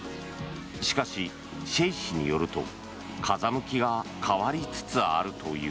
しかし、シェイ氏によると風向きが変わりつつあるという。